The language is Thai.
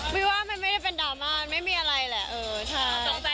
ว่ามันไม่ได้เป็นดราม่ามันไม่มีอะไรแหละ